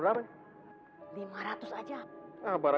tapi itu asal dari